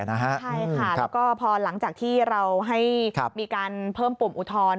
ใช่ค่ะแล้วก็พอหลังจากที่เราให้มีการเพิ่มปุ่มอุทธรณ์